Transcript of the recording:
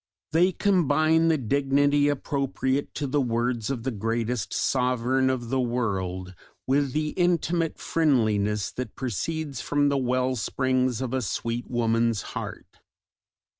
They combine the dignity appropriate to the words of the greatest Sovereign of the World, with the intimate friendliness that proceeds from the wellsprings of a sweet woman's heart.